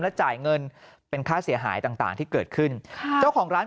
และจ่ายเงินเป็นค่าเสียหายต่างต่างที่เกิดขึ้นค่ะเจ้าของร้าน